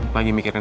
lagi mikirin apa